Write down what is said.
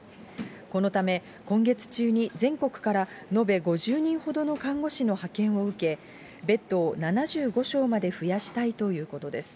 このため、今月中に全国から延べ５０人ほどの看護師の派遣を受け、ベッドを７５床まで増やしたいということです。